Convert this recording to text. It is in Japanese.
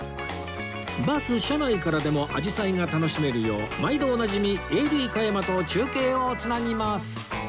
バス車内からでも紫陽花が楽しめるよう毎度おなじみ ＡＤ 加山と中継を繋ぎます